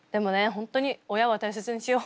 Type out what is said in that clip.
本当に親は大切にしよう。